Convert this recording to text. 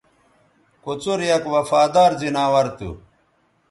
کوڅر یک وفادار زناور تھو